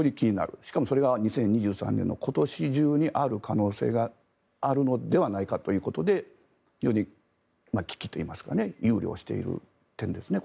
しかもそれが２０２３年の今年中にある可能性があるのではないかということで非常に危機といいますかここは憂慮している点ですね。